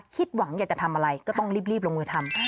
คิดหวังอยากจะทำอะไรก็ต้องรีบลงมือทำ